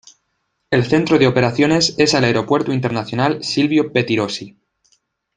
El centro de operaciones es el Aeropuerto Internacional Silvio Pettirossi.